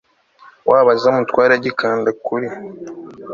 wabo aze amutware agikanda kuri